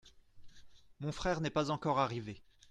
Mon frère n’est pas encore arrivé.